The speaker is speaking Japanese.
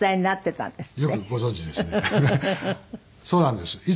そうなんです。